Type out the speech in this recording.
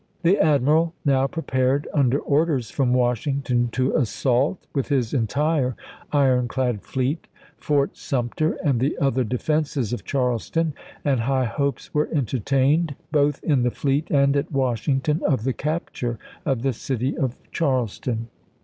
The admiral now prepared, under orders from Wash ington, to assault with his entire iron clad fleet Fort Sumter and the other defenses of Charleston, and high hopes were entertained, both in the fleet and at Washington, of the capture of the City of Charleston.